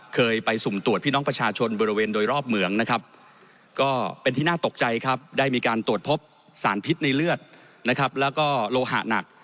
เคยมีคณะแพทย์กลุ่มนึงครับ